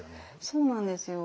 そうなんですよ。